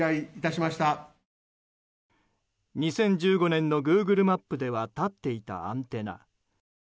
２０１５年のグーグルマップでは立っていたアンテナ。